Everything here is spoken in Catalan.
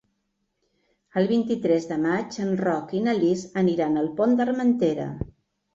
El vint-i-tres de maig en Roc i na Lis aniran al Pont d'Armentera.